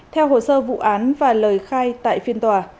theo hồ sơ vụ án và lời khai tại phiên tòa